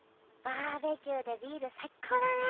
バーベキューでビール最高だね！